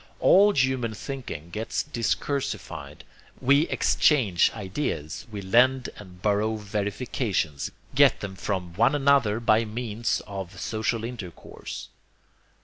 All human thinking gets discursified; we exchange ideas; we lend and borrow verifications, get them from one another by means of social intercourse.